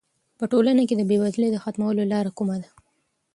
په ټولنه کې د بې وزلۍ د ختمولو لاره کومه ده؟